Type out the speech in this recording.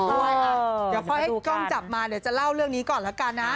เดี๋ยวค่อยให้กล้องจับมาเดี๋ยวจะเล่าเรื่องนี้ก่อนแล้วกันนะ